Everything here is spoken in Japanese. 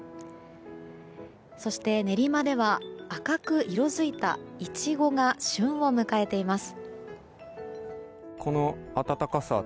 そして、練馬では赤く色づいたイチゴが旬を迎えています。